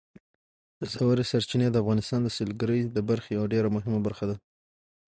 ژورې سرچینې د افغانستان د سیلګرۍ د برخې یوه ډېره مهمه برخه ده.